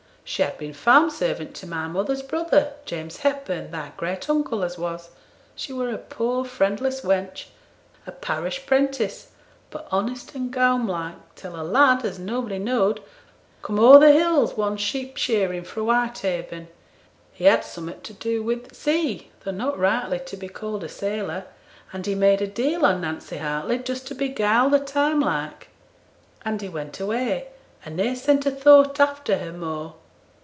She had been farm servant to my mother's brother James Hepburn, thy great uncle as was; she were a poor, friendless wench, a parish 'prentice, but honest and gaum like, till a lad, as nobody knowed, come o'er the hills one sheep shearing fra' Whitehaven; he had summat to do wi' th' sea, though not rightly to be called a sailor: and he made a deal on Nancy Hartley, just to beguile the time like; and he went away and ne'er sent a thought after her more.